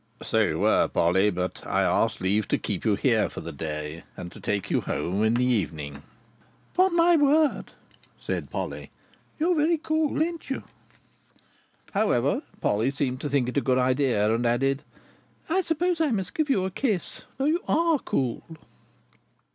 "So you were, Polly, but I asked leave to keep you here for the day, and to take you home in the evening." "Upon my word!" said Polly. "You are very cool, ain't you?" However, Polly seemed to think it a good idea, and added, "I suppose I must give you a kiss, though you are cool."